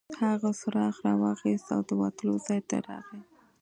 هغه څراغ راواخیست او د وتلو ځای ته راغی.